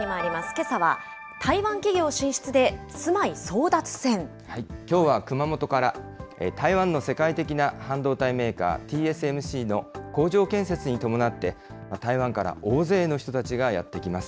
けさは、きょうは熊本から、台湾の世界的な半導体メーカー、ＴＳＭＣの工場建設に伴って、台湾から大勢の人たちがやって来ます。